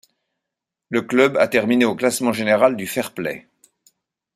Le club a terminé au classement général du fair-play.